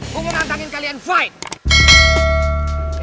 gue mau nantangin kalian fight